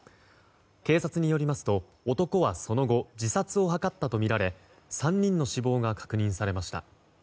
警察によりますと男は、その後自殺を図ったとみられ３人の死亡が確認されました。